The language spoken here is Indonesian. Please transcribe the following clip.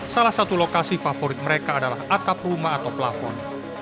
salah satu lokasi favorit mereka adalah atap rumah atau plafon